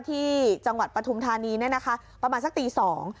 ที่จังหวัดประธุมธานีประมาณสักตีสอง